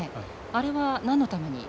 あれは何のために？